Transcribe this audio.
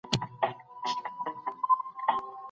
کوم شيطان ورته وايي چي ما هغه نه پريښاوه؟